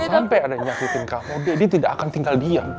sampai ada yang nyakitin kamu dedi tidak akan tinggal diam